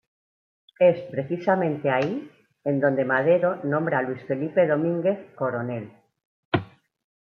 Es precisamente ahí en donde Madero nombra a Luis Felipe Domínguez ""Coronel"".